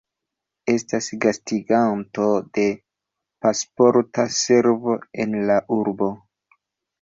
Estas gastiganto de Pasporta Servo en la urbo.